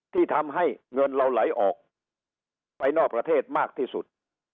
ที่ทำให้เงินเราไหลออกไปนอกประเทศมากที่สุด